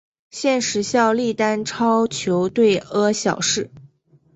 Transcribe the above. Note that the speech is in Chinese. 现时效力丹超球队阿晓士。